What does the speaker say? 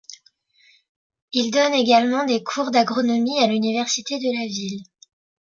Il donne également des cours d’agronomie à l'université de la ville.